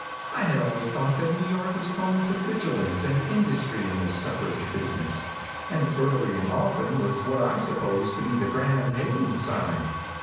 I had always thought that New York was prone to vigilance and industry in the suffrage business, and early and often was what I supposed was the grand hailing sign.